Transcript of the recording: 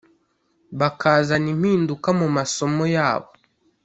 bakazana impinduka mu masomo yabo